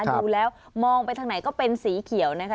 ดูแล้วมองไปทางไหนก็เป็นสีเขียวนะคะ